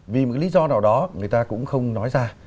vì một lý do nào đó người ta cũng không nói ra